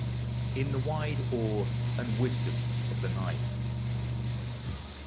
69 IN THE WIDE AWE AND WISDOM OF THE NIGHT.